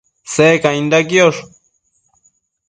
Secainda quiosh